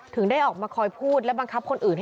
ถึงได้ออกมาคอยพูดและบังคับคนอื่นให้